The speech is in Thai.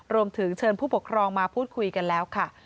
รวมถึงเชิญผู้ปกครองมาพูดคุยกันแล้วค่ะ